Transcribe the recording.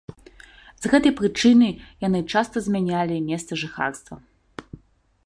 З гэтай прычына яны часта змянялі месца жыхарства.